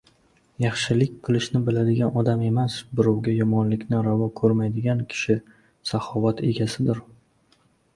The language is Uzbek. Yaxshilik qilishni biladigan odam emas, birovga yomonlikni ravo ko‘rmaydigan kishi saxovat egasidir.